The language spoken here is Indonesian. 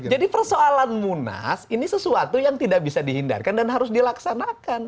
jadi persoalan munas ini sesuatu yang tidak bisa dihindarkan dan harus dilaksanakan